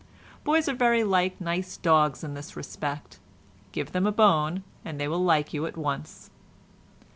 Boys are very like nice dogs in this respect—give them a bone and they will like you at once.